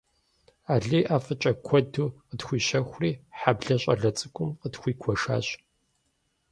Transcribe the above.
Алий ӀэфӀыкӀэ куэду къытхуищэхури, хьэблэ щӀалэ цӀыкӀум къытхуигуэшащ.